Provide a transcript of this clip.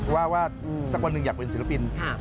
ว่าสักคนหนึ่งอยากเป็นศิลปิน